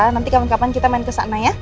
nanti kapan kapan kita main kesana ya